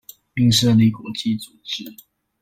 並設立國際組織